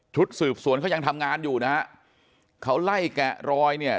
สืบสวนเขายังทำงานอยู่นะฮะเขาไล่แกะรอยเนี่ย